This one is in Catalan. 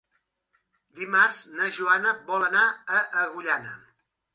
Dimarts na Joana vol anar a Agullana.